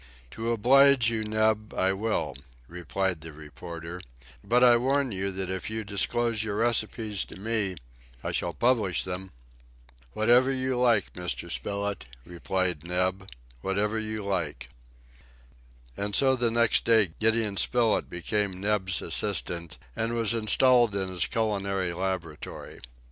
"To oblige you, Neb, I will," replied the reporter; "but I warn you that if you disclose your recipes to me, I shall publish them." "Whenever you like, Mr. Spilett," replied Neb; "whenever you like." And so the next day Gideon Spilett became Neb's assistant and was installed in his culinary laboratory.